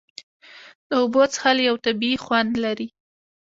د اوبو څښل یو طبیعي خوند لري.